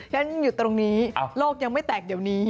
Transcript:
ฉันอยู่ตรงนี้โลกยังไม่แตกเดี๋ยวนี้